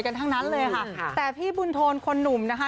ทั้งนั้นเลยค่ะแต่พี่บุญโทนคนหนุ่มนะคะ